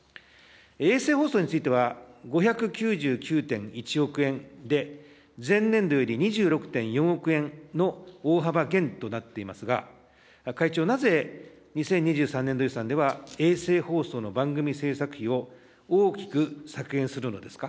衛星放送については５９９．１億円で、前年度より２６．４億円の大幅減となっていますが、会長、なぜ２０２３年度予算では、衛星放送の番組制作費を大きく削減するのですか。